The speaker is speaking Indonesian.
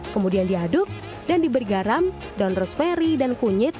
kemudian diaduk dan diberi garam daun rosemary dan kunyit